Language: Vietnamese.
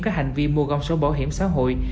các hành vi mua gom sổ bảo hiểm xã hội